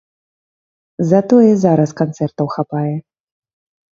Затое зараз канцэртаў хапае.